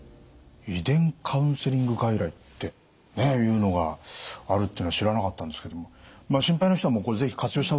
遺伝カウンセリング外来っていうのがあるっていうのは知らなかったんですけども心配な人はこれ是非活用した方がいいってことですよね？